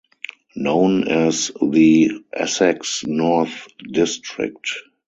Known as the "Essex North" district.